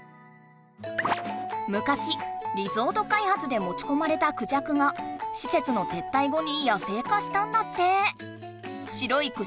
むかしリゾート開発でもちこまれたクジャクがしせつの撤退後に野生化したんだって。